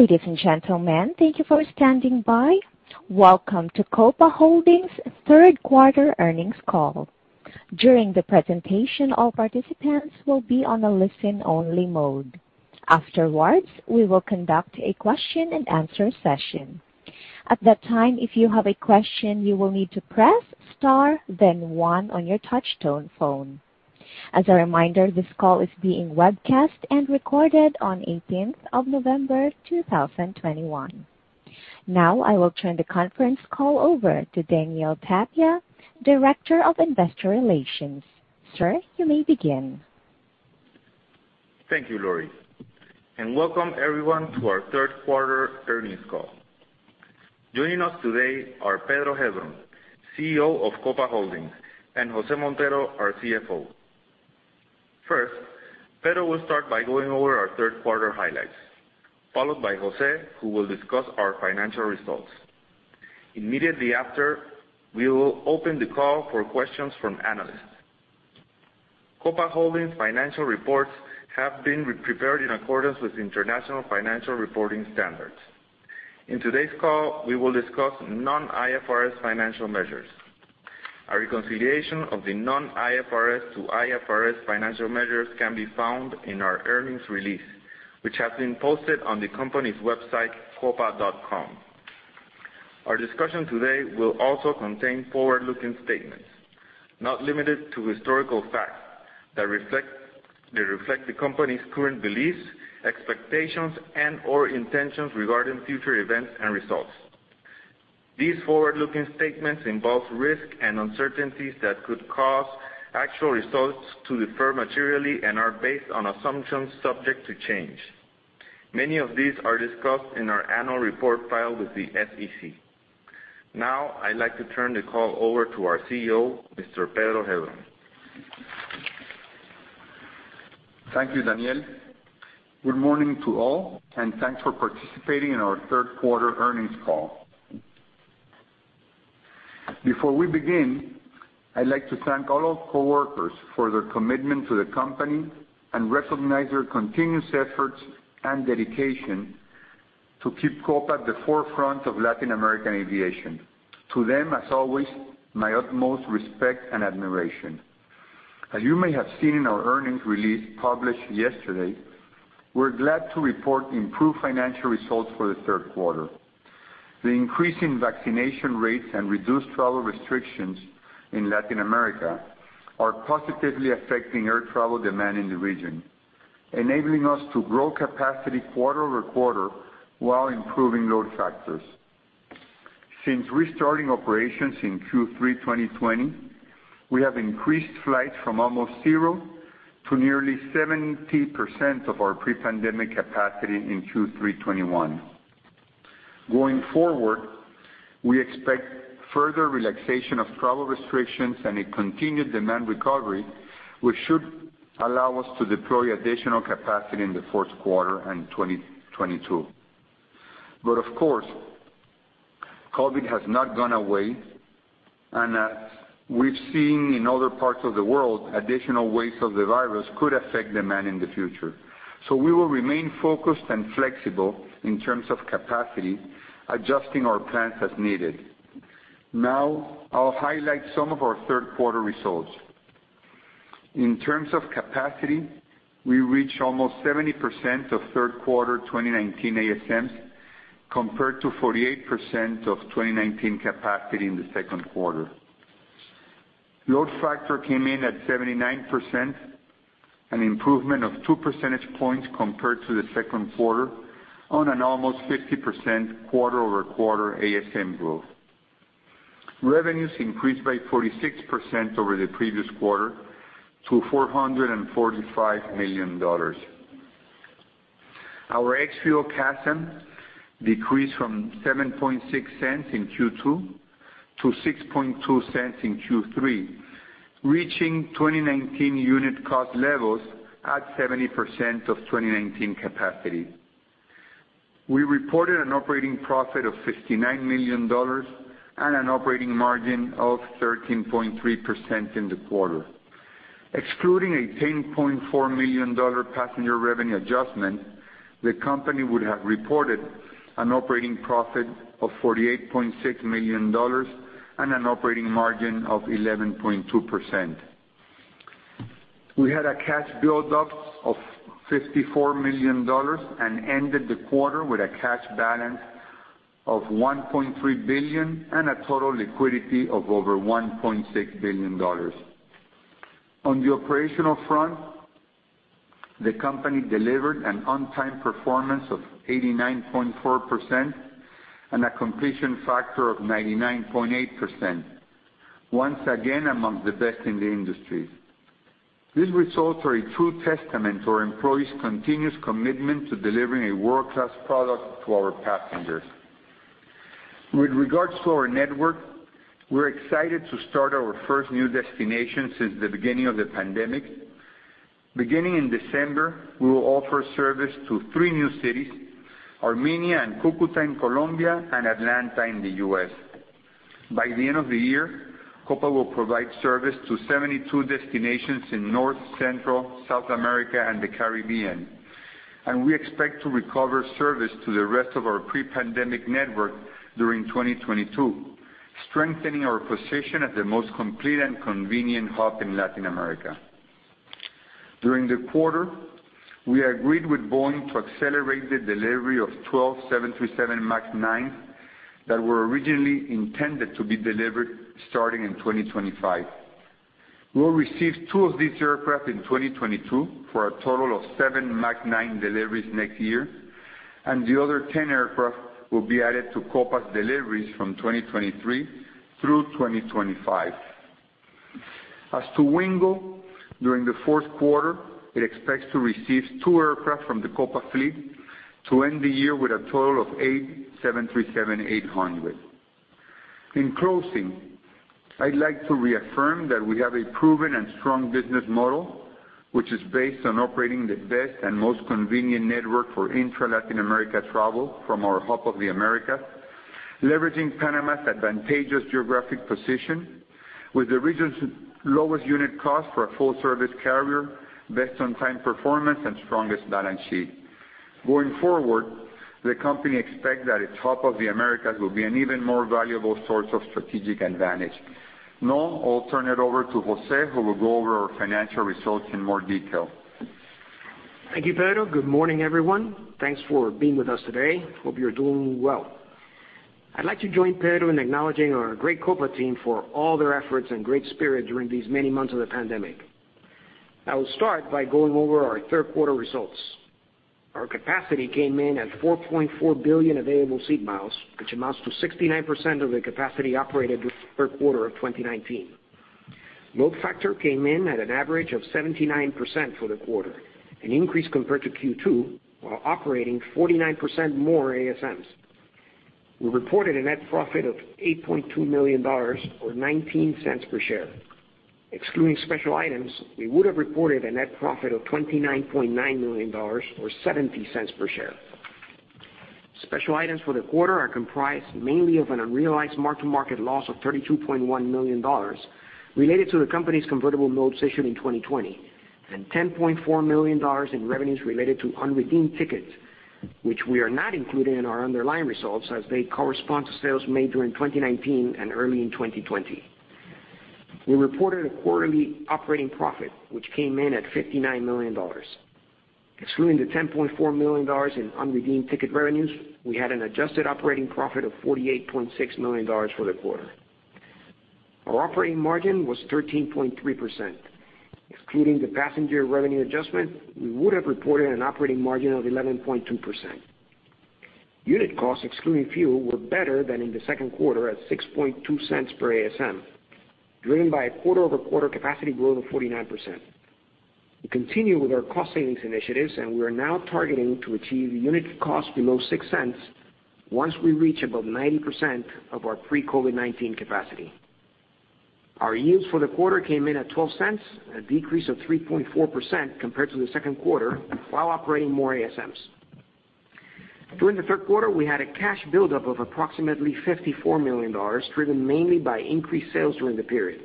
Ladies and gentlemen, thank you for standing by. Welcome to Copa Holdings third quarter earnings call. During the presentation, all participants will be on a listen-only mode. Afterwards, we will conduct a question-and-answer session. At that time, if you have a question, you will need to press star then one on your touchtone phone. As a reminder, this call is being webcast and recorded on November 18, 2021. Now, I will turn the conference call over to Daniel Tapia, Director of Investor Relations. Sir, you may begin. Thank you, Lori, and welcome everyone to our third quarter earnings call. Joining us today are Pedro Heilbron, CEO of Copa Holdings, and Jose Montero, our CFO. First, Pedro will start by going over our third quarter highlights, followed by Jose, who will discuss our financial results. Immediately after, we will open the call for questions from analysts. Copa Holdings financial reports have been prepared in accordance with International Financial Reporting Standards. In today's call, we will discuss non-IFRS financial measures. A reconciliation of the non-IFRS to IFRS financial measures can be found in our earnings release, which has been posted on the company's website, copa.com. Our discussion today will also contain forward-looking statements, not limited to historical facts that reflect the company's current beliefs, expectations, and/or intentions regarding future events and results. These forward-looking statements involve risks and uncertainties that could cause actual results to differ materially and are based on assumptions subject to change. Many of these are discussed in our annual report filed with the SEC. Now, I'd like to turn the call over to our CEO, Mr. Pedro Heilbron. Thank you, Daniel. Good morning to all, and thanks for participating in our third quarter earnings call. Before we begin, I'd like to thank all our coworkers for their commitment to the company and recognize their continuous efforts and dedication to keep Copa at the forefront of Latin American aviation. To them, as always, my utmost respect and admiration. As you may have seen in our earnings release published yesterday, we're glad to report improved financial results for the third quarter. The increase in vaccination rates and reduced travel restrictions in Latin America are positively affecting air travel demand in the region, enabling us to grow capacity quarter over quarter while improving load factors. Since restarting operations in Q3 2020, we have increased flights from almost zero to nearly 70% of our pre-pandemic capacity in Q3 2021. Going forward, we expect further relaxation of travel restrictions and a continued demand recovery, which should allow us to deploy additional capacity in the fourth quarter and 2022. Of course, COVID has not gone away, and as we've seen in other parts of the world, additional waves of the virus could affect demand in the future. We will remain focused and flexible in terms of capacity, adjusting our plans as needed. Now, I'll highlight some of our third quarter results. In terms of capacity, we reached almost 70% of third quarter 2019 ASMs compared to 48% of 2019 capacity in the second quarter. Load factor came in at 79%, an improvement of 2 percentage points compared to the second quarter on an almost 50% quarter-over-quarter ASM growth. Revenues increased by 46% over the previous quarter to $445 million. Our ex-fuel CASM decreased from $0.076 In Q2 to $0.062 In Q3, reaching 2019 unit cost levels at 70% of 2019 capacity. We reported an operating profit of $59 million and an operating margin of 13.3% in the quarter. Excluding a $10.4 million passenger revenue adjustment, the company would have reported an operating profit of $48.6 million and an operating margin of 11.2%. We had a cash build-up of $54 million and ended the quarter with a cash balance of $1.3 billion and a total liquidity of over $1.6 billion. On the operational front, the company delivered an on-time performance of 89.4% and a completion factor of 99.8%. Once again, among the best in the industry. These results are a true testament to our employees' continuous commitment to delivering a world-class product to our passengers. With regards to our network, we're excited to start our first new destination since the beginning of the pandemic. Beginning in December, we will offer service to three new cities: Armenia and Cucuta in Colombia and Atlanta in the U.S. By the end of the year, Copa will provide service to 72 destinations in North, Central, South America, and the Caribbean. We expect to recover service to the rest of our pre-pandemic network during 2022, strengthening our position as the most complete and convenient hub in Latin America. During the quarter, we agreed with Boeing to accelerate the delivery of 12 737 MAX 9 that were originally intended to be delivered starting in 2025. We will receive two of these aircraft in 2022 for a total of seven MAX 9 deliveries next year, and the other 10 aircraft will be added to Copa's deliveries from 2023 through 2025. As to Wingo, during the fourth quarter, it expects to receive two aircraft from the Copa fleet to end the year with a total of eight 737-800. In closing, I'd like to reaffirm that we have a proven and strong business model, which is based on operating the best and most convenient network for intra-Latin America travel from our Hub of the Americas, leveraging Panama's advantageous geographic position with the region's lowest unit cost for a full-service carrier, best on-time performance, and strongest balance sheet. Going forward, the company expects that its Hub of the Americas will be an even more valuable source of strategic advantage. Now I'll turn it over to Jose, who will go over our financial results in more detail. Thank you, Pedro. Good morning, everyone. Thanks for being with us today. Hope you're doing well. I'd like to join Pedro in acknowledging our great Copa team for all their efforts and great spirit during these many months of the pandemic. I will start by going over our third quarter results. Our capacity came in at 4.4 billion available seat miles, which amounts to 69% of the capacity operated with the third quarter of 2019. Load factor came in at an average of 79% for the quarter, an increase compared to Q2, while operating 49% more ASMs. We reported a net profit of $8.2 million or $0.19 per share. Excluding special items, we would have reported a net profit of $29.9 million or $0.70 per share. Special items for the quarter are comprised mainly of an unrealized mark-to-market loss of $32.1 million related to the company's convertible note issued in 2020 and $10.4 million in revenues related to unredeemed tickets, which we are not including in our underlying results as they correspond to sales made during 2019 and early in 2020. We reported a quarterly operating profit, which came in at $59 million. Excluding the $10.4 million in unredeemed ticket revenues, we had an adjusted operating profit of $48.6 million for the quarter. Our operating margin was 13.3%. Excluding the passenger revenue adjustment, we would have reported an operating margin of 11.2%. Unit costs, excluding fuel, were better than in the second quarter at $0.062 Per ASM, driven by a quarter-over-quarter capacity growth of 49%. We continue with our cost savings initiatives, and we are now targeting to achieve unit cost below $0.06 Once we reach about 90% of our pre-COVID-19 capacity. Our yields for the quarter came in at $0.12, a decrease of 3.4% compared to the second quarter while operating more ASMs. During the third quarter, we had a cash buildup of approximately $54 million, driven mainly by increased sales during the period.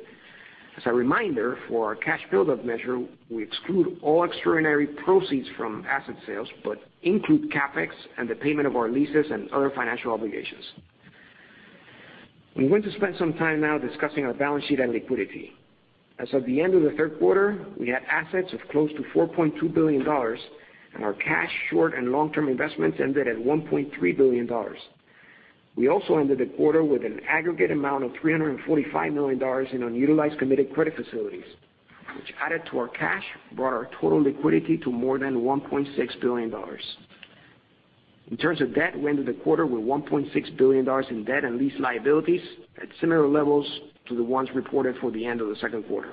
As a reminder, for our cash buildup measure, we exclude all extraordinary proceeds from asset sales, but include CapEx and the payment of our leases and other financial obligations. We're going to spend some time now discussing our balance sheet and liquidity. As of the end of the third quarter, we had assets of close to $4.2 billion, and our cash, short-, and long-term investments ended at $1.3 billion. We also ended the quarter with an aggregate amount of $345 million in unutilized committed credit facilities, which added to our cash, brought our total liquidity to more than $1.6 billion. In terms of debt, we ended the quarter with $1.6 billion in debt and lease liabilities at similar levels to the ones reported for the end of the second quarter.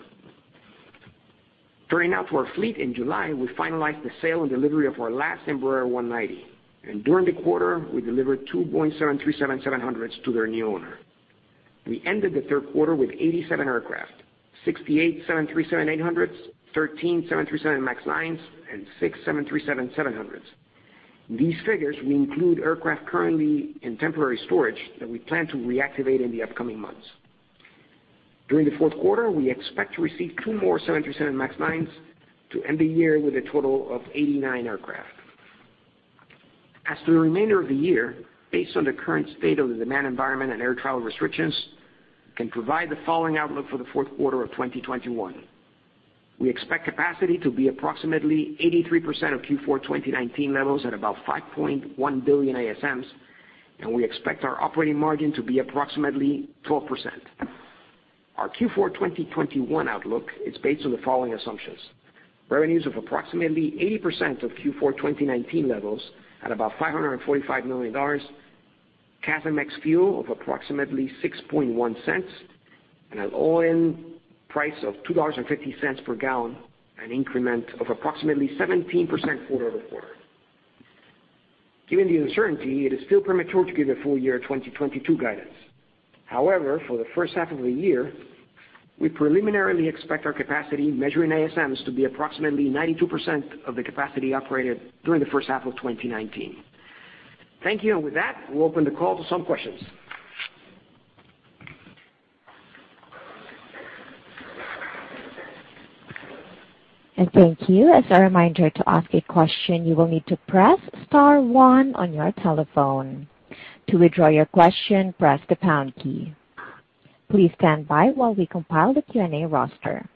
Turning now to our fleet. In July, we finalized the sale and delivery of our last Embraer 190, and during the quarter, we delivered two Boeing 737-700s to their new owner. We ended the third quarter with 87 aircraft, 68 737-800s, 13 737 MAX 9s, and six 737-700s. These figures will include aircraft currently in temporary storage that we plan to reactivate in the upcoming months. During the fourth quarter, we expect to receive two more 737 MAX 9s to end the year with a total of 89 aircraft. As to the remainder of the year, based on the current state of the demand environment and air travel restrictions, we can provide the following outlook for the fourth quarter of 2021. We expect capacity to be approximately 83% of Q4 2019 levels at about 5.1 billion ASMs, and we expect our operating margin to be approximately 12%. Our Q4 2021 outlook is based on the following assumptions: revenues of approximately 80% of Q4 2019 levels at about $545 million, CASM ex-fuel of approximately $0.061, and an all-in price of $2.50 per gallon, an increment of approximately 17% quarter-over-quarter. Given the uncertainty, it is still premature to give the full year 2022 guidance. However, for the first half of the year, we preliminarily expect our capacity measuring ASMs to be approximately 92% of the capacity operated during the first half of 2019. Thank you. With that, we'll open the call to some questions. Thank you. As a reminder, to ask a question, you will need to press star one on your telephone. To withdraw your question, press the pound key. Please stand by while we compile the Q&A roster.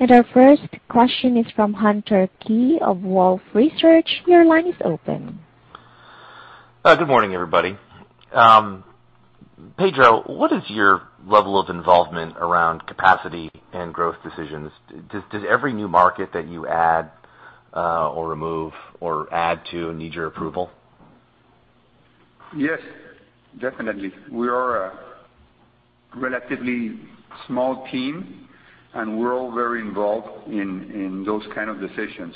Our first question is from Hunter Keay of Wolfe Research. Your line is open. Good morning, everybody. Pedro, what is your level of involvement around capacity and growth decisions? Does every new market that you add, or remove or add to need your approval? Yes, definitely. We are a relatively small team, and we're all very involved in those kind of decisions.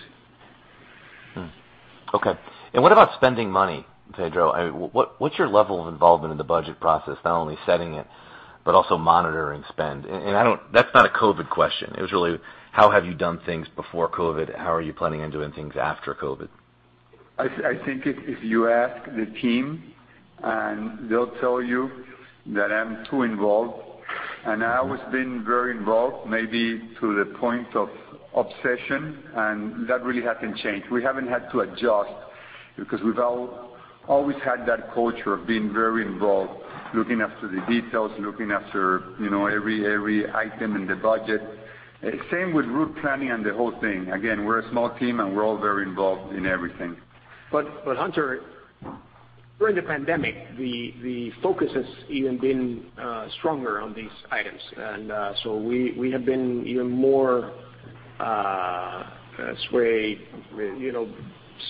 Okay. What about spending money, Pedro? What's your level of involvement in the budget process, not only setting it, but also monitoring spend? That's not a COVID question. It was really how have you done things before COVID? How are you planning on doing things after COVID? I think if you ask the team, and they'll tell you that I'm too involved, and I've always been very involved, maybe to the point of obsession, and that really hasn't changed. We haven't had to adjust because we've always had that culture of being very involved, looking after the details, looking after, you know, every item in the budget. Same with route planning and the whole thing. Again, we're a small team, and we're all very involved in everything. Hunter, during the pandemic, the focus has even been stronger on these items. We have been even more, let's say, you know,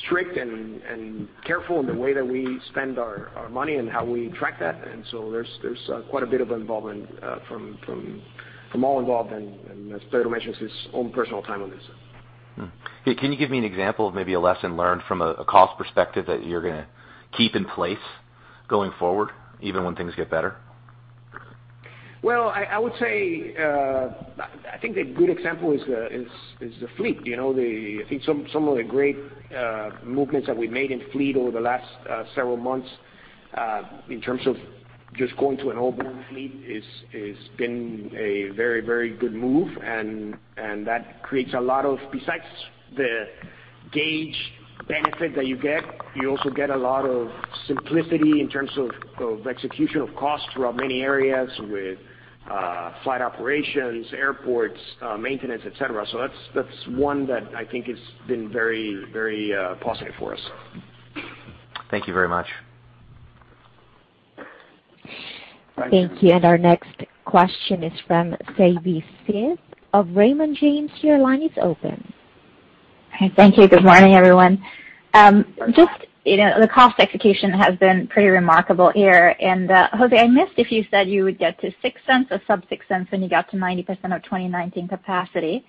strict and careful in the way that we spend our money and how we track that. There's quite a bit of involvement from all involved and as Pedro mentions, his own personal time on this. Hey, can you give me an example of maybe a lesson learned from a cost perspective that you're gonna keep in place going forward, even when things get better? Well, I would say I think a good example is the fleet. You know, I think some of the great movements that we made in fleet over the last several months in terms of just going to an all-Boeing fleet has been a very, very good move. That creates a lot of benefits besides the huge benefit that you get. You also get a lot of simplicity in terms of execution and costs throughout many areas with flight operations, airports, maintenance, et cetera. That's one that I think has been very, very positive for us. Thank you very much. Thank you. Thank you. Our next question is from Savanthi Syth of Raymond James. Your line is open. Thank you. Good morning, everyone. Just, you know, the cost execution has been pretty remarkable here. Jose, I missed if you said you would get to $0.06 or sub-$0.06 when you got to 90% of 2019 capacity.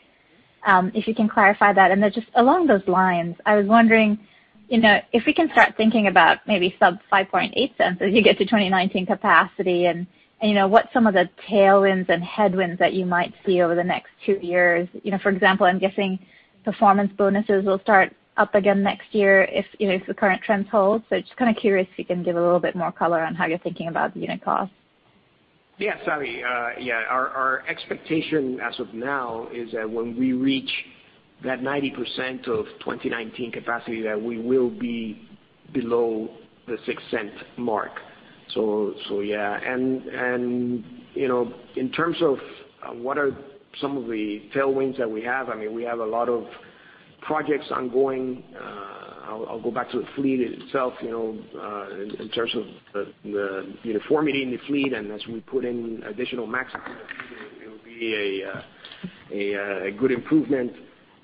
If you can clarify that. Just along those lines, I was wondering, you know, if we can start thinking about maybe sub-$0.058 as you get to 2019 capacity and you know, what some of the tailwinds and headwinds that you might see over the next two years. You know, for example, I'm guessing performance bonuses will start up again next year if, you know, if the current trends hold. Just kinda curious if you can give a little bit more color on how you're thinking about unit cost. Savanthi, yeah, our expectation as of now is that when we reach that 90% of 2019 capacity, that we will be below the $0.06 mark. Yeah. You know, in terms of what are some of the tailwinds that we have, I mean, we have a lot of projects ongoing. I'll go back to the fleet itself, you know, in terms of the uniformity in the fleet, and as we put in additional MAX aircraft, it will be a good improvement.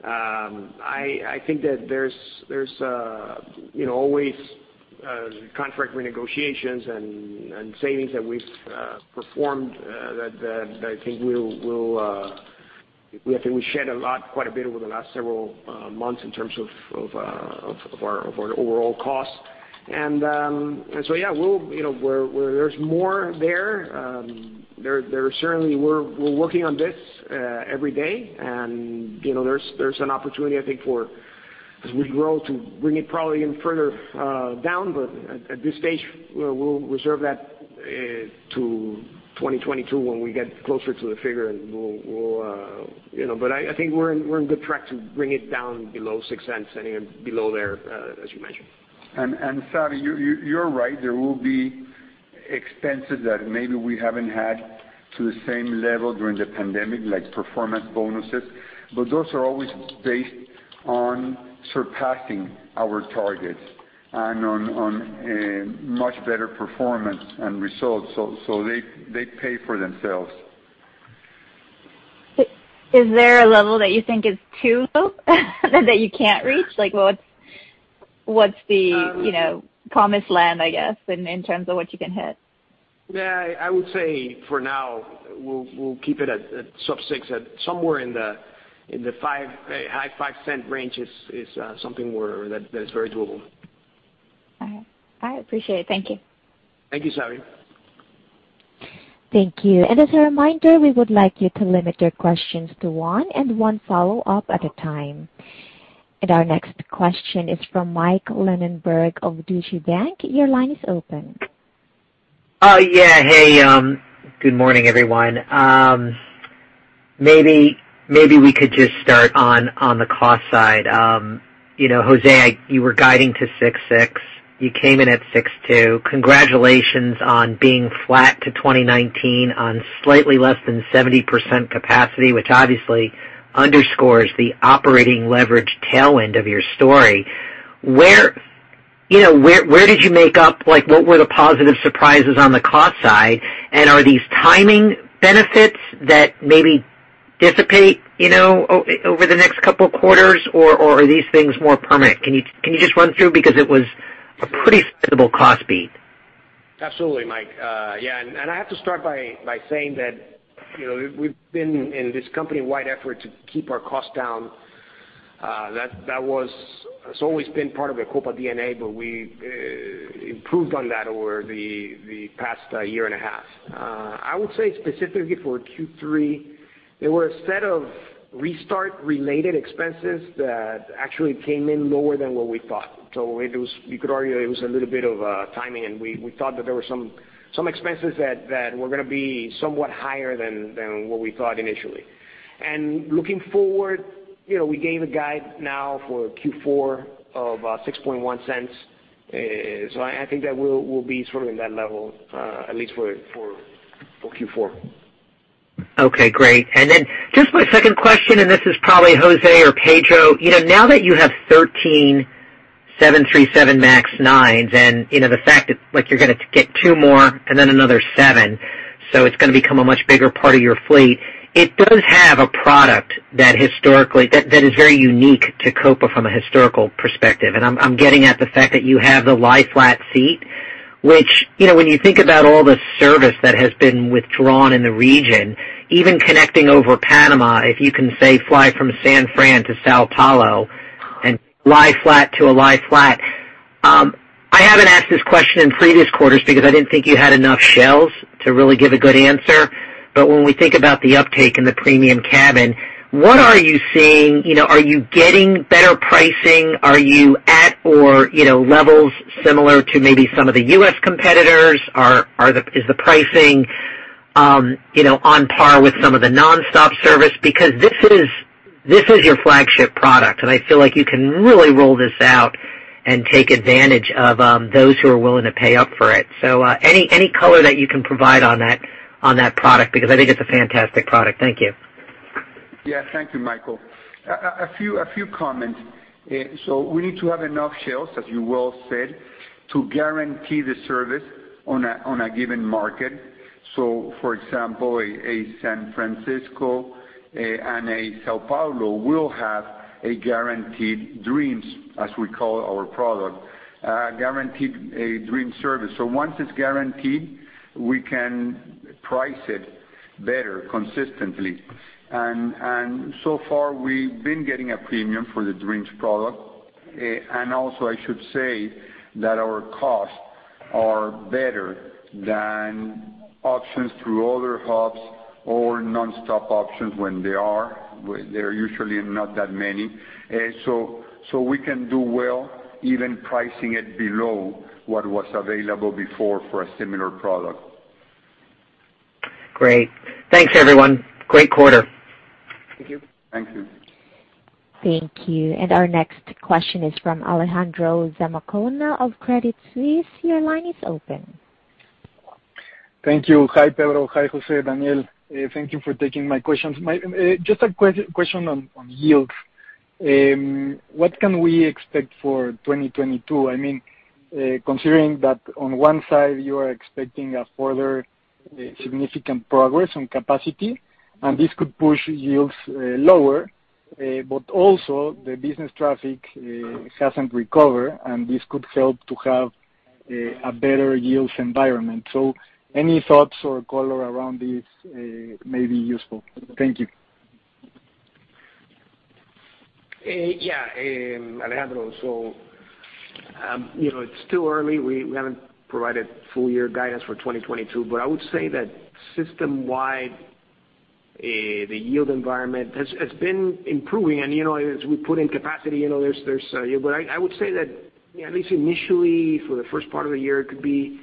I think that there's, you know, always contract renegotiations and savings that we've performed that I think we shed a lot, quite a bit over the last several months in terms of our overall costs. Yeah, you know, we're working on this every day, and you know, there's an opportunity, I think, for as we grow to bring it probably even further down. At this stage we'll reserve that to 2022 when we get closer to the figure and we'll. You know, I think we're on good track to bring it down below $0.06 and even below there, as you mentioned. Savanthi, you're right. There will be expenses that maybe we haven't had to the same level during the pandemic, like performance bonuses, but those are always based on surpassing our targets and on a much better performance and results. They pay for themselves. Is there a level that you think is too low that you can't reach? Like, what's the, you know, promised land, I guess, in terms of what you can hit? Yeah, I would say for now we'll keep it at sub-6, somewhere in the high 5-cent range is something where that is very doable. All right. I appreciate it. Thank you. Thank you, Savanthi. Thank you. As a reminder, we would like you to limit your questions to one and one follow-up at a time. Our next question is from Michael Linenberg of Deutsche Bank. Your line is open. Hey, good morning, everyone. Maybe we could just start on the cost side. You know, Jose, you were guiding to 6.6, you came in at 6.2. Congratulations on being flat to 2019 on slightly less than 70% capacity, which obviously underscores the operating leverage tailwind of your story. Where did you make up? Like, what were the positive surprises on the cost side? Are these timing benefits that maybe dissipate, you know, over the next couple of quarters, or are these things more permanent? Can you just run through because it was a pretty sizable cost beat. Absolutely, Mike. I have to start by saying that, you know, we've been in this company-wide effort to keep our costs down. It's always been part of the Copa DNA, but we improved on that over the past year and a half. I would say specifically for Q3, there were a set of restart-related expenses that actually came in lower than what we thought. So it was. You could argue it was a little bit of timing, and we thought that there were some expenses that were gonna be somewhat higher than what we thought initially. Looking forward, you know, we gave guidance now for Q4 of $0.061. I think that we'll be sort of in that level, at least for Q4. Okay, great. Just my second question, and this is probably José or Pedro. You know, now that you have 13 737 MAX 9s, and you know the fact that like you're gonna get two more and then another seven, so it's gonna become a much bigger part of your fleet. It does have a product that historically, that is very unique to Copa from a historical perspective. I'm getting at the fact that you have the lie-flat seat, which, you know, when you think about all the service that has been withdrawn in the region, even connecting over Panama, if you can, say, fly from San Fran to São Paulo and lie flat to a lie flat. I haven't asked this question in previous quarters because I didn't think you had enough shells to really give a good answer. When we think about the uptake in the premium cabin, what are you seeing? You know, are you getting better pricing? Are you at or, you know, levels similar to maybe some of the U.S. competitors? Is the pricing, you know, on par with some of the nonstop service? Because this is your flagship product, and I feel like you can really roll this out and take advantage of those who are willing to pay up for it. So, any color that you can provide on that product, because I think it's a fantastic product. Thank you. Yeah. Thank you, Michael. A few comments. We need to have enough seats, as you well said, to guarantee the service on a given market. For example, San Francisco and São Paulo will have guaranteed Dreams, as we call our product, guaranteed Dreams service. Once it's guaranteed, we can price it better consistently. So far we've been getting a premium for the Dreams product. Also I should say that our costs are better than options through other hubs or nonstop options when they're usually not that many. We can do well even pricing it below what was available before for a similar product. Great. Thanks, everyone. Great quarter. Thank you. Thank you. Thank you. Our next question is from Alejandro Zamacona of Credit Suisse. Your line is open. Thank you. Hi, Pedro. Hi, Jose, Daniel. Thank you for taking my questions. Just a question on yields. What can we expect for 2022? I mean, considering that on one side you are expecting a further significant progress on capacity, and this could push yields lower, but also the business traffic hasn't recovered, and this could help to have a better yields environment. Any thoughts or color around this may be useful. Thank you. Alejandro, you know, it's still early. We haven't provided full year guidance for 2022. I would say that system-wide, the yield environment has been improving. You know, as we put in capacity, you know, there's. I would say that, you know, at least initially for the first part of the year, it could be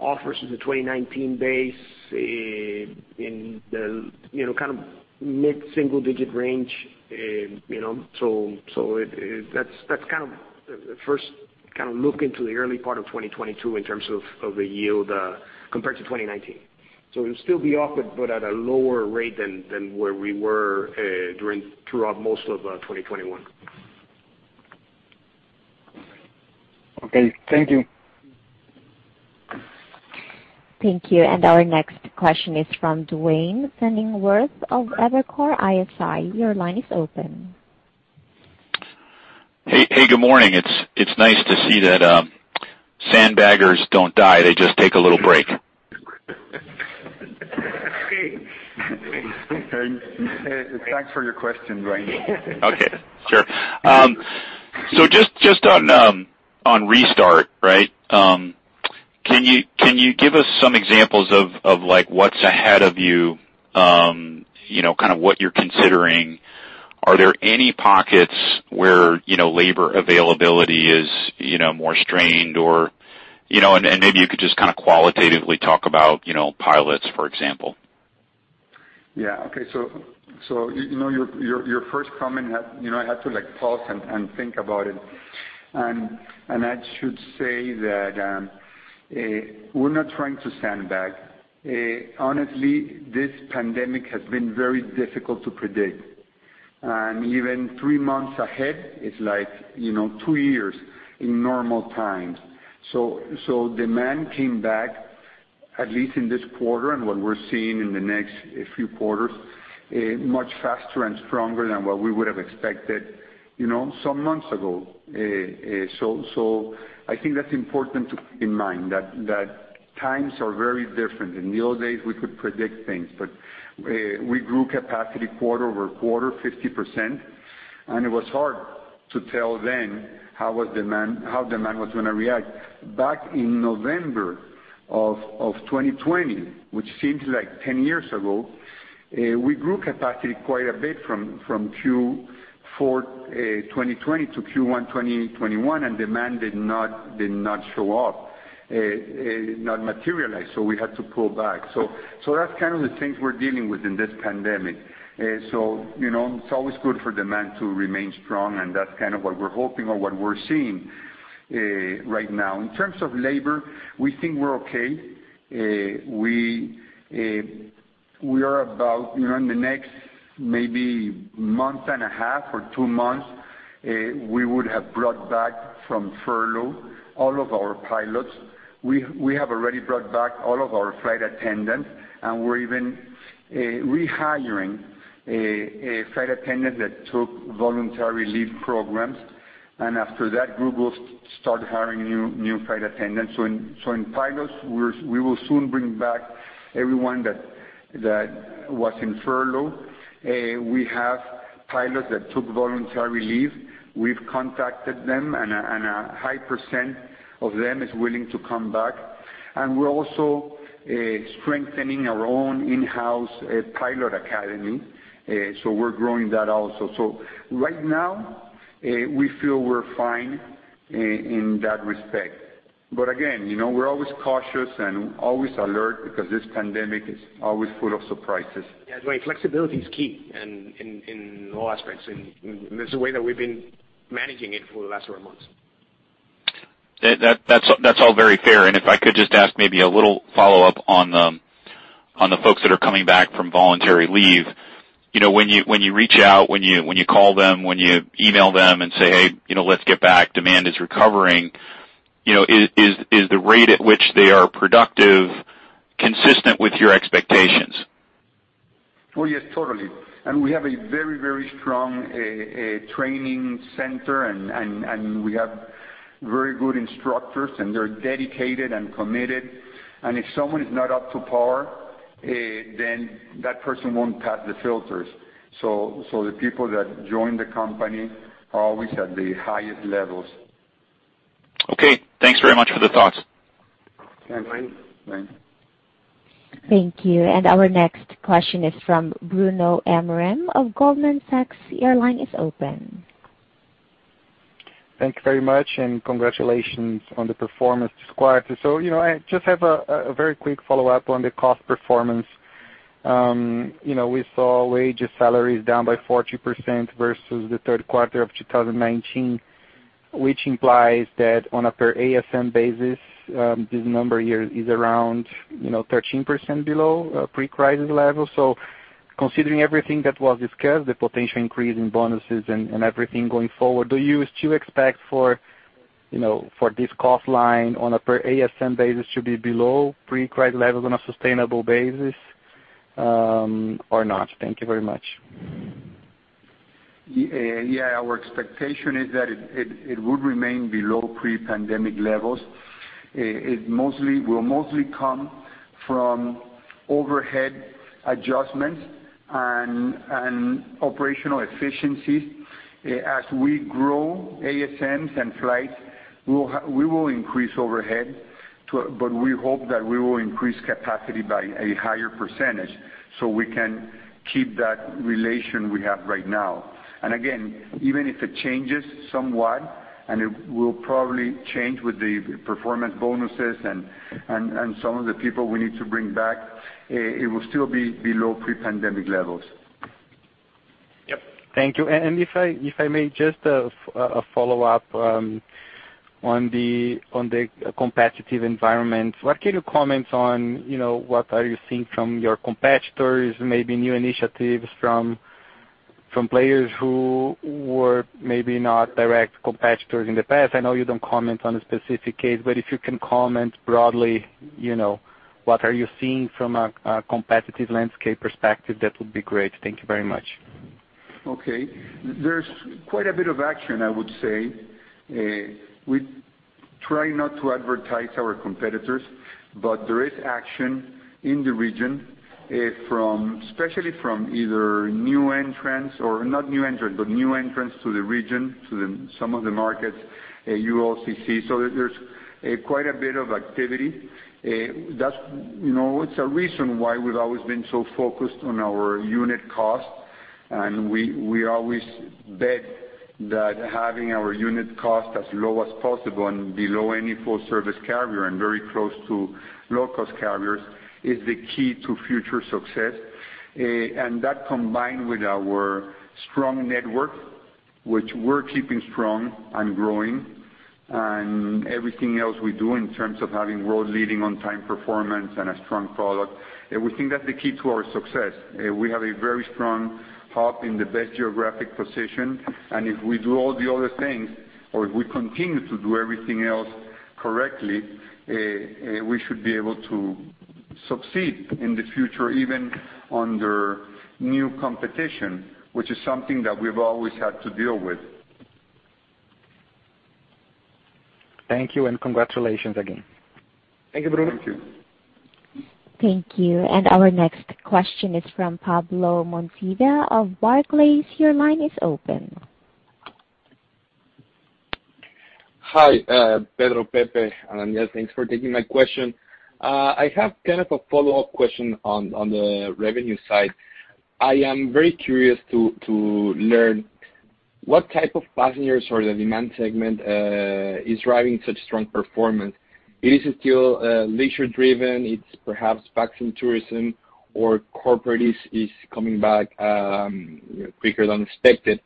off as a 2019 base in the, you know, kind of mid-single digit range. You know, so it. That's kind of the first kind of look into the early part of 2022 in terms of the yield compared to 2019. It'll still be off, but at a lower rate than where we were throughout most of 2021. Okay, thank you. Thank you. Our next question is from Duane Pfennigwerth of Evercore ISI. Your line is open. Hey, good morning. It's nice to see that sandbaggers don't die. They just take a little break. Thanks for your question, Duane. Okay. Sure. So just on restart, right? Can you give us some examples of like what's ahead of you? You know, kind of what you're considering. Are there any pockets where you know, labor availability is you know, more strained or you know, and maybe you could just kind of qualitatively talk about you know, pilots, for example. Yeah. Okay. You know, your first comment had, you know, I had to like pause and think about it. I should say that we're not trying to sandbag. Honestly, this pandemic has been very difficult to predict. Even three months ahead, it's like, you know, two years in normal times. Demand came back, at least in this quarter and what we're seeing in the next few quarters, much faster and stronger than what we would have expected, you know, some months ago. I think that's important to keep in mind that times are very different. In the old days, we could predict things, but we grew capacity quarter-over-quarter 50%, and it was hard to tell then how demand was gonna react. Back in November of 2020, which seems like ten years ago, we grew capacity quite a bit from Q4 2020 to Q1 2021, and demand did not show up, not materialize, so we had to pull back. That's kind of the things we're dealing with in this pandemic. You know, it's always good for demand to remain strong, and that's kind of what we're hoping or what we're seeing right now. In terms of labor, we think we're okay. We are about, you know, in the next maybe month and a half or two months, we would have brought back from furlough all of our pilots. We have already brought back all of our flight attendants, and we're even rehiring a flight attendant that took voluntary leave programs. After that group, we'll start hiring new flight attendants. In pilots, we will soon bring back everyone that was in furlough. We have pilots that took voluntary leave. We've contacted them and a high percent of them is willing to come back. We're also strengthening our own in-house pilot academy, so we're growing that also. Right now, we feel we're fine in that respect. Again, you know, we're always cautious and always alert because this pandemic is always full of surprises. Yeah. Duane, flexibility is key in all aspects, and that's the way that we've been managing it for the last several months. That's all very fair. If I could just ask maybe a little follow-up on the folks that are coming back from voluntary leave. You know, when you reach out, when you call them, when you email them and say, "Hey, you know, let's get back, demand is recovering," you know, is the rate at which they are productive consistent with your expectations? Oh, yes, totally. We have a very, very strong training center and we have very good instructors, and they're dedicated and committed. If someone is not up to par, then that person won't pass the filters. The people that join the company are always at the highest levels. Okay, thanks very much for the thoughts. Yeah. Duane. Duane. Thank you. Our next question is from Bruno Amorim of Goldman Sachs. Your line is open. Thank you very much, and congratulations on the performance this quarter. You know, I just have a very quick follow-up on the cost performance. We saw wages, salaries down by 40% versus the third quarter of 2019, which implies that on a per ASM basis, this number here is around, you know, 13% below pre-crisis levels. Considering everything that was discussed, the potential increase in bonuses and everything going forward, do you still expect for, you know, for this cost line on a per ASM basis to be below pre-crisis levels on a sustainable basis, or not? Thank you very much. Yeah, our expectation is that it would remain below pre-pandemic levels. It will mostly come from overhead adjustments and operational efficiencies. As we grow ASMs and flights, we will increase overhead but we hope that we will increase capacity by a higher percentage, so we can keep that relation we have right now. Again, even if it changes somewhat, it will probably change with the performance bonuses and some of the people we need to bring back, it will still be below pre-pandemic levels. Yep. Thank you. If I may just a follow-up on the competitive environment. What can you comment on, you know, what are you seeing from your competitors? Maybe new initiatives from players who were maybe not direct competitors in the past. I know you don't comment on a specific case, but if you can comment broadly, you know. What are you seeing from a competitive landscape perspective? That would be great. Thank you very much. Okay. There's quite a bit of action, I would say. We try not to advertise our competitors, but there is action in the region from especially new entrants to the region, to some of the markets you also see. There's quite a bit of activity. That's, you know, it's a reason why we've always been so focused on our unit cost. We always bet that having our unit cost as low as possible and below any full service carrier and very close to low-cost carriers is the key to future success. That combined with our strong network, which we're keeping strong and growing, and everything else we do in terms of having world-leading on-time performance and a strong product. We think that's the key to our success. We have a very strong hub in the best geographic position, and if we do all the other things, or if we continue to do everything else correctly, we should be able to succeed in the future, even under new competition, which is something that we've always had to deal with. Thank you, and congratulations again. Thank you, Bruno. Thank you. Thank you. Our next question is from Pablo Monsivais of Barclays. Your line is open. Hi, Pedro, Tapia, and thanks for taking my question. I have kind of a follow-up question on the revenue side. I am very curious to learn what type of passengers or the demand segment is driving such strong performance. It is still leisure-driven, it's perhaps vaccine tourism or corporate is coming back quicker than expected.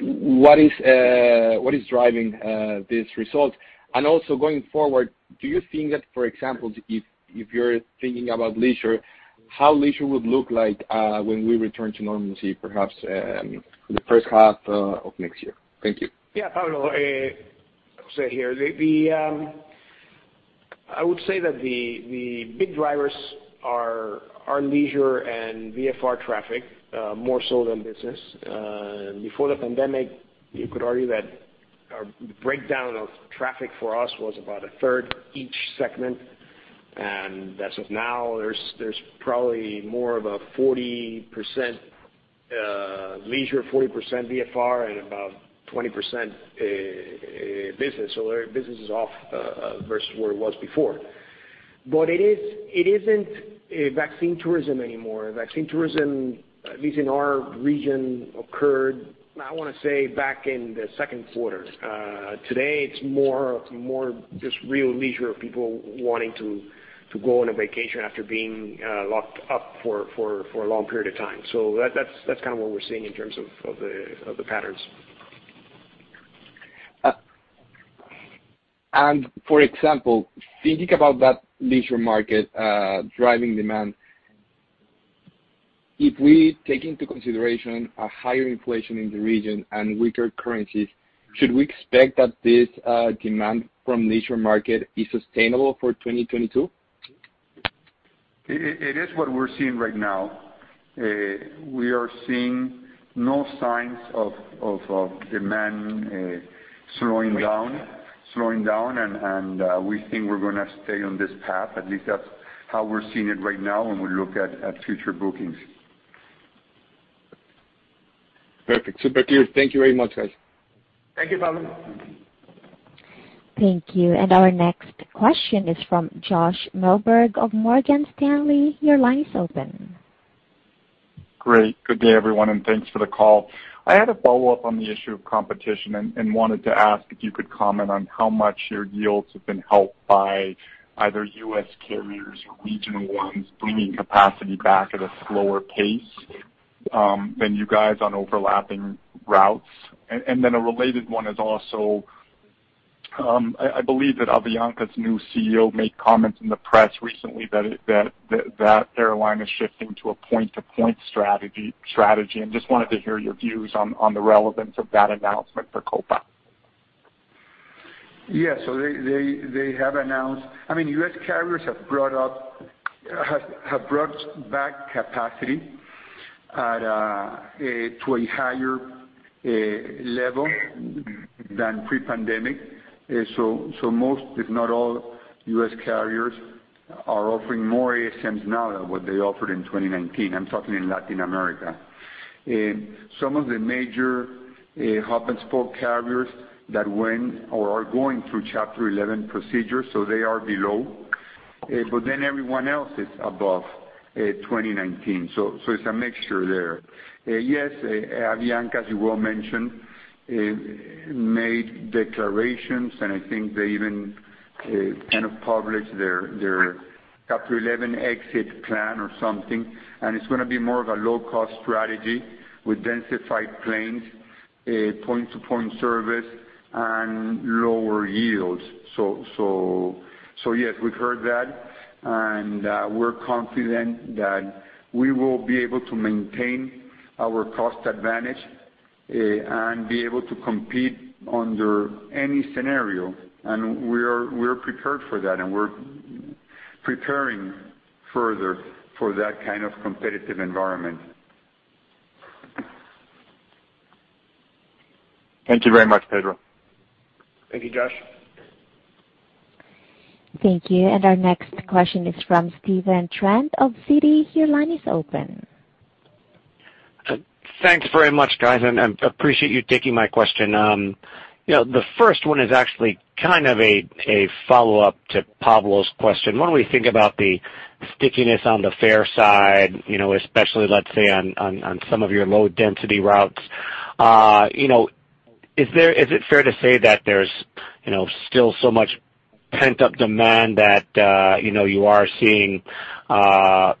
What is driving this result? Also going forward, do you think that, for example, if you're thinking about leisure, how leisure would look like when we return to normalcy, perhaps the first half of next year? Thank you. Yeah. Pablo, Jose here. I would say that the big drivers are our leisure and VFR traffic, more so than business. Before the pandemic, you could argue that our breakdown of traffic for us was about a third each segment. As of now, there's probably more of a 40% leisure, 40% VFR, and about 20% business. Business is off versus where it was before. It isn't a vaccine tourism anymore. Vaccine tourism, at least in our region, occurred. I wanna say back in the second quarter. Today, it's more just real leisure of people wanting to go on a vacation after being locked up for a long period of time. That's kind of what we're seeing in terms of the patterns. For example, thinking about that leisure market, driving demand. If we take into consideration a higher inflation in the region and weaker currencies, should we expect that this demand from leisure market is sustainable for 2022? It is what we're seeing right now. We are seeing no signs of demand slowing down, and we think we're gonna stay on this path. At least that's how we're seeing it right now when we look at future bookings. Perfect. Super clear. Thank you very much, guys. Thank you, Pablo. Thank you. Our next question is from Josh Milberg of Morgan Stanley. Your line is open. Great. Good day, everyone, and thanks for the call. I had a follow-up on the issue of competition and wanted to ask if you could comment on how much your yields have been helped by either U.S. carriers or regional ones bringing capacity back at a slower pace than you guys on overlapping routes. A related one is also, I believe that Avianca's new CEO made comments in the press recently that airline is shifting to a point-to-point strategy, and just wanted to hear your views on the relevance of that announcement for Copa. I mean, U.S. carriers have brought back capacity to a higher level than pre-pandemic. Most, if not all, U.S. carriers are offering more ASMs now than what they offered in 2019. I'm talking in Latin America. Some of the major hub-and-spoke carriers that went or are going through Chapter 11 procedures, so they are below. Everyone else is above 2019. It's a mixture there. Yes, Avianca, as you well mentioned, made declarations, and I think they even kind of published their Chapter 11 exit plan or something, and it's gonna be more of a low-cost strategy with densified planes, point-to-point service and lower yields. Yes, we've heard that, and we're confident that we will be able to maintain our cost advantage and be able to compete under any scenario, and we are prepared for that, and we're preparing further for that kind of competitive environment. Thank you very much, Pedro. Thank you, Josh. Thank you. Our next question is from Stephen Trent of Citi. Your line is open. Thanks very much, guys, and I appreciate you taking my question. You know, the first one is actually kind of a follow-up to Pablo's question. When we think about the stickiness on the fare side, you know, especially let's say on some of your low density routes, you know, is it fair to say that there's, you know, still so much pent-up demand that, you know, you are seeing a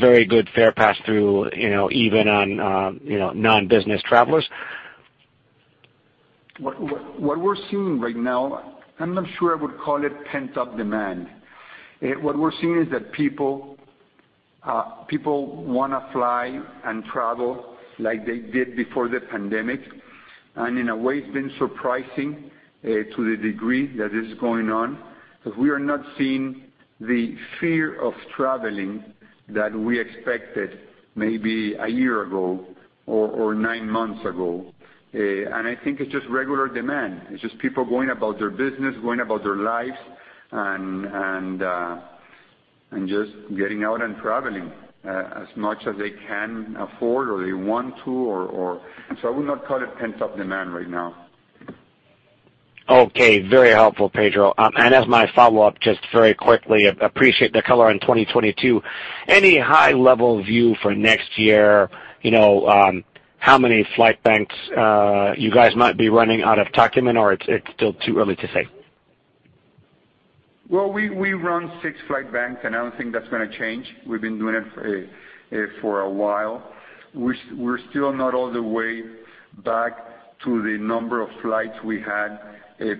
very good fare pass through, you know, even on, you know, non-business travelers? What we're seeing right now, I'm not sure I would call it pent-up demand. What we're seeing is that people wanna fly and travel like they did before the pandemic. In a way, it's been surprising to the degree that is going on, because we are not seeing the fear of traveling that we expected maybe a year ago or nine months ago. I think it's just regular demand. It's just people going about their business, going about their lives and just getting out and traveling as much as they can afford or they want to. I would not call it pent-up demand right now. Okay. Very helpful, Pedro. As my follow-up, just very quickly, I appreciate the color on 2022. Any high-level view for next year, how many flight banks you guys might be running out of Tocumen or it's still too early to say? Well, we run six flight banks, and I don't think that's gonna change. We've been doing it for a while. We're still not all the way back to the number of flights we had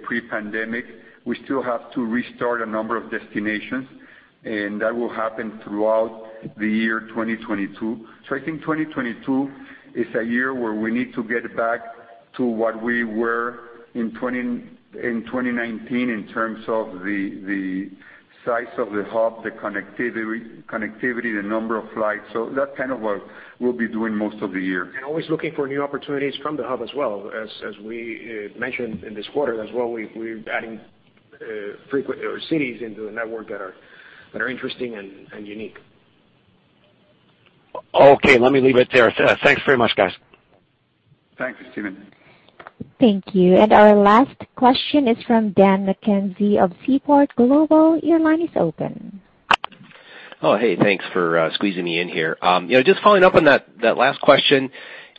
pre-pandemic. We still have to restart a number of destinations, and that will happen throughout the year 2022. I think 2022 is a year where we need to get back to what we were in 2019 in terms of the size of the hub, the connectivity, the number of flights. That kind of what we'll be doing most of the year. Always looking for new opportunities from the hub as well. As we mentioned in this quarter as well, we're adding frequencies or cities into the network that are interesting and unique. Okay, let me leave it there. Thanks very much, guys. Thanks, Stephen. Thank you. Our last question is from Daniel McKenzie of Seaport Global. Your line is open. Oh, hey, thanks for squeezing me in here. You know, just following up on that last question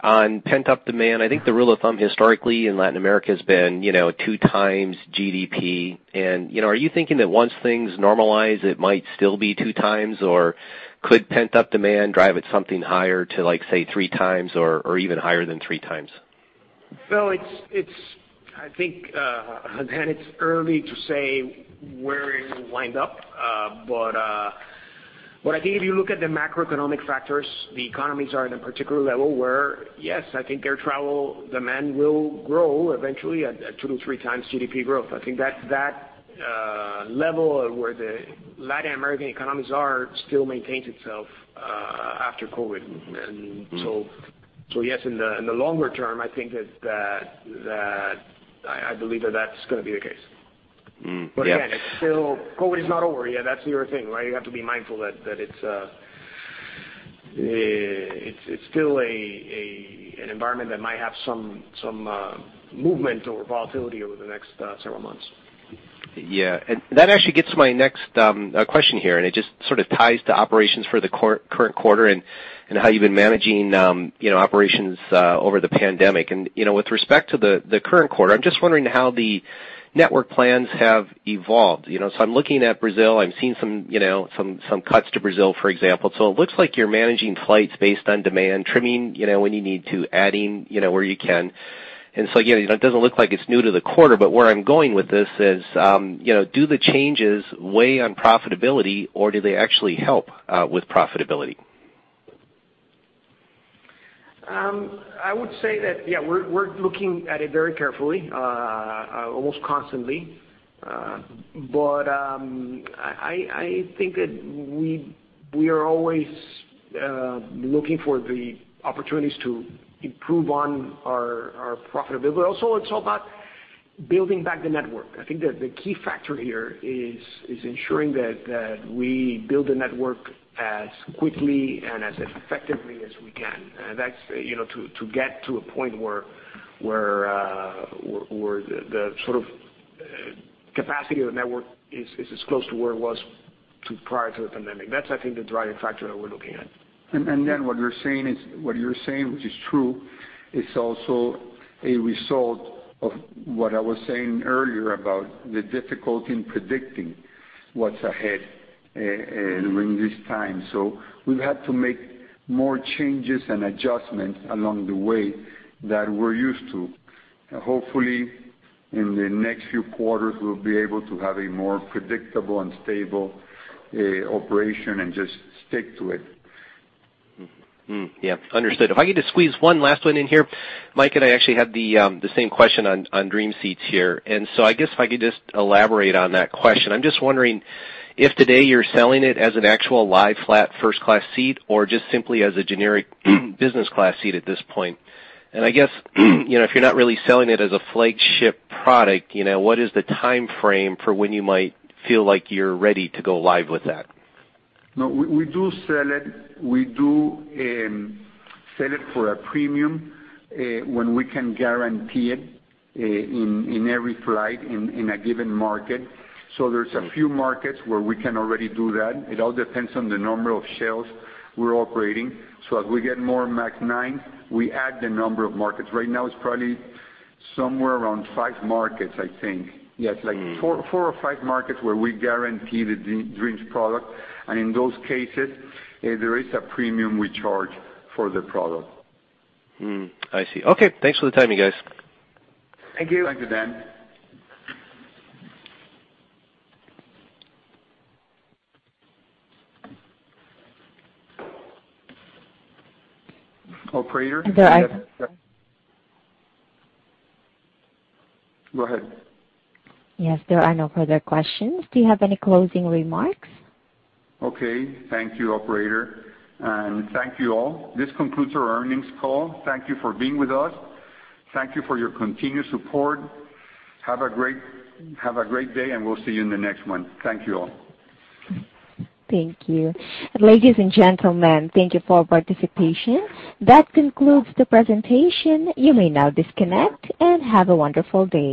on pent-up demand. I think the rule of thumb historically in Latin America has been, you know, 2x GDP. You know, are you thinking that once things normalize, it might still be 2x, or could pent-up demand drive it something higher to, like, say, 3x or even higher than 3x? Well, I think again, it's early to say where it will wind up. What I think if you look at the macroeconomic factors, the economies are in a particular level where, yes, I think air travel demand will grow eventually at two to three times GDP growth. I think that level of where the Latin American economies are still maintains itself after COVID. Yes, in the longer term, I think that I believe that that's gonna be the case. Yes. Again, it's still. COVID is not over yet. That's the other thing, right? You have to be mindful that it's still an environment that might have some movement or volatility over the next several months. Yeah. That actually gets to my next question here, and it just sort of ties to operations for the current quarter and how you've been managing, you know, operations over the pandemic. You know, with respect to the current quarter, I'm just wondering how the network plans have evolved. You know, I'm looking at Brazil. I'm seeing some cuts to Brazil, for example. It looks like you're managing flights based on demand, trimming, you know, when you need to, adding, you know, where you can. Again, it doesn't look like it's new to the quarter. Where I'm going with this is, you know, do the changes weigh on profitability, or do they actually help with profitability? I would say that, yeah, we're looking at it very carefully, almost constantly. I think that we are always looking for the opportunities to improve on our profitability. Also, it's all about building back the network. I think that the key factor here is ensuring that we build the network as quickly and as effectively as we can. That's, you know, to get to a point where the sort of capacity of the network is as close to where it was prior to the pandemic. That's, I think, the driving factor that we're looking at. What you're saying, which is true, is also a result of what I was saying earlier about the difficulty in predicting what's ahead, during this time. We've had to make more changes and adjustments along the way than we're used to. Hopefully in the next few quarters, we'll be able to have a more predictable and stable operation and just stick to it. Understood. If I could just squeeze one last one in here, Mike and I actually had the same question on Dreams seats here. I guess if I could just elaborate on that question. I'm just wondering if today you're selling it as an actual lie-flat first class seat or just simply as a generic business class seat at this point. I guess, you know, if you're not really selling it as a flagship product, you know, what is the timeframe for when you might feel like you're ready to go live with that? No, we do sell it. We do sell it for a premium, when we can guarantee it, in every flight in a given market. There's a few markets where we can already do that. It all depends on the number of 737s we're operating. As we get more MAX 9, we add the number of markets. Right now, it's probably somewhere around five markets, I think. Yes, like four or five markets where we guarantee the Dreams product. In those cases, there's a premium we charge for the product. I see. Okay. Thanks for the time, you guys. Thank you. Thank you, Dan. Operator. There are- Go ahead. Yes, there are no further questions. Do you have any closing remarks? Okay. Thank you, operator, and thank you all. This concludes our earnings call. Thank you for being with us. Thank you for your continued support. Have a great day, and we'll see you in the next one. Thank you all. Thank you. Ladies and gentlemen, thank you for your participation. That concludes the presentation. You may now disconnect and have a wonderful day.